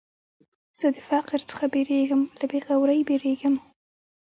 زه د فقر څخه بېرېږم، له بېغورۍ بېرېږم.